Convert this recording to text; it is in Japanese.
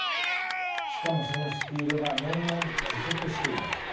しかもそのスピードが年々加速しています。